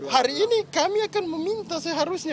hari ini kami akan meminta seharusnya